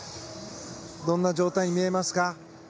どんな状態に見えますか？